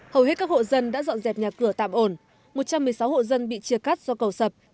hầu hết các hộ dân đã dọn dẹp nhà cửa tạm ổn một trăm một mươi sáu hộ dân bị chia cắt do cầu sập